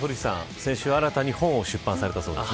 先週、新たな本も出版されたそうですね。